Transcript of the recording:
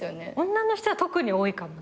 女の人は特に多いかも。